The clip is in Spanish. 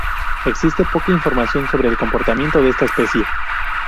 Existe poca información sobre el comportamiento de esta especie.